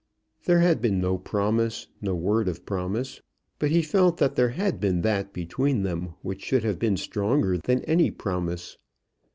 There had been no promise, no word of promise. But he felt that there had been that between them which should have been stronger than any promise.